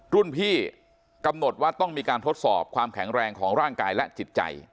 รุ่นพี่กำหนดว่าต้องมีการทดสอบความแข็งแรงของร่างกายและจิตใจ